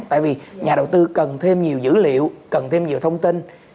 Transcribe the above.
tại vì nhà đầu tư cần thêm nhiều dữ liệu cần thêm nhiều thông tin